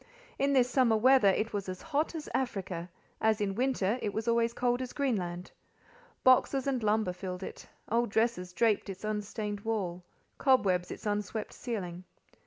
In this summer weather, it was hot as Africa; as in winter, it was always cold as Greenland. Boxes and lumber filled it; old dresses draped its unstained wall—cobwebs its unswept ceiling.